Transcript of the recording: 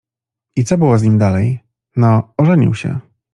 ”— I co było z nim dalej? — No, ożenił się.